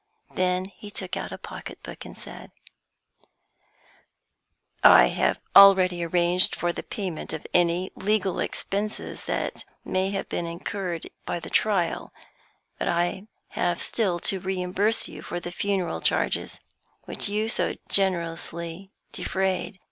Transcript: Then he took out a pocket book, and said: "I have already arranged for the payment of any legal expenses that may have been incurred by the trial, but I have still to reimburse you for the funeral charges which you so generously defrayed.